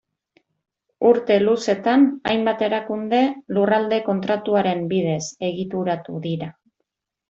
Urte luzetan, hainbat erakunde Lurralde Kontratuaren bidez egituratu dira.